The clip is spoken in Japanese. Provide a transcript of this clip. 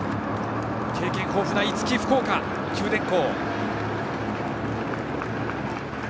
経験豊富な逸木、福岡九電工。